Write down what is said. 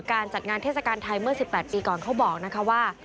การจัดงานเทศกาลไทยเมื่อ๑๘ปีก่อนเขาบอกนะคะว่า